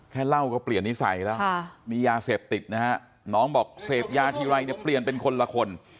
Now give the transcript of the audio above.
เหล้าก็เปลี่ยนนิสัยแล้วมียาเสพติดนะฮะน้องบอกเสพยาทีไรเนี่ยเปลี่ยนเป็นคนละคน